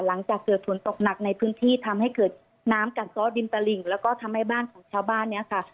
หลังจากเกิดฝนตกหนักในพื้นที่ทำให้เกิดน้ำกัดซ้อดินตะหลิ่งแล้วก็ทำให้บ้านของชาวบ้านเนี่ยค่ะ